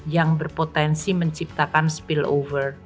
yang berpotensi menciptakan spillover